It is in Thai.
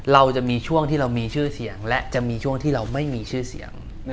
เราจะมีช่วงที่เรามีชื่อเสียงและจะมีช่วงที่เราไม่มีชื่อเสียง